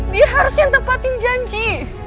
dia harus yang tepatin janji